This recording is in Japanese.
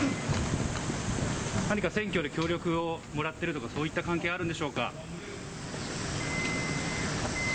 何か選挙で協力をもらってるとか、そういった関係があるんでしょうか。